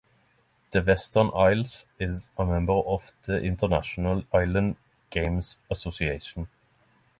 The Western Isles is a member of the International Island Games Association.